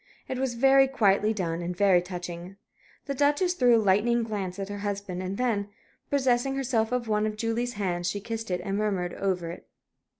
It was very quietly done, and very touching. The Duchess threw a lightning glance at her husband; and then, possessing herself of one of Julie's hands, she kissed it and murmured over it.